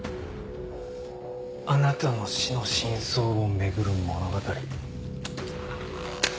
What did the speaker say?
あなたの死の真相を巡る物語。